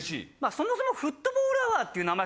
そもそもフットボールアワーっていう名前